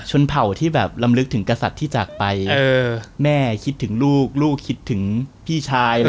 เผ่าที่แบบลำลึกถึงกษัตริย์ที่จากไปแม่คิดถึงลูกลูกคิดถึงพี่ชายเลย